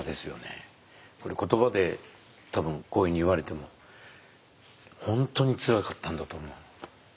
言葉で多分こういうふうに言われても本当につらかったんだと思う。